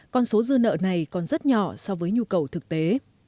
con số dư nợ này còn rất nhỏ so với nhu cầu thực tế